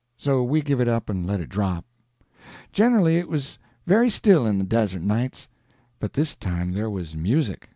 So we give it up and let it drop. Generly it was very still in the Desert nights, but this time there was music.